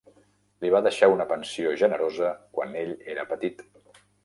Li va deixar una pensió generosa quan ell era petit.